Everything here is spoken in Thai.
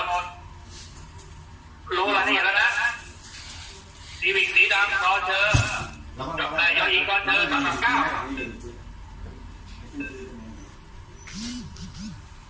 ก็เห็นแล้วนะชีวิตสีดำก็เจอหย่อหยิงก็เจอสำหรับเก้า